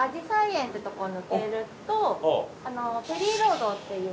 園っていうとこを抜けるとペリーロードっていう。